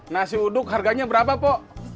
nasi uduk harganya berapa pak